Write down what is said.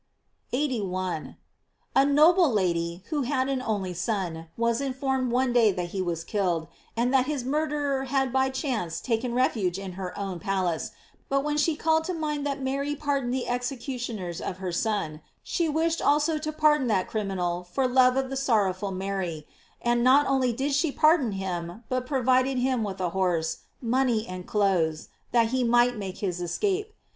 81. — A noble lady, who had an only son, was informed one day that he was killed, and that his murderer had by chance taken refuge in her own palace; but when*she^called to mind that Mary pardoned the executioners of her Son, she wished also to pardon that criminal for love of the sorrowful Mary; and not only did she par don him, but provided him with a horse, money, and clothes, that he might make his escape.